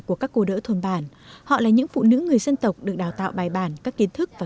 của các cô đỡ thôn bản họ là những phụ nữ người dân tộc được đào tạo bài bản các kiến thức và